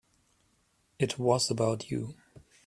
It was about you.